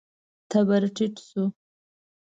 تبر ټيټ شو.